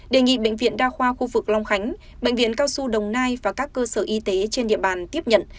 đề nghị bệnh viện đa khoa khu vực long khánh bệnh viện cao xu đồng nai và các cơ sở y tế trên địa bàn tiếp nhận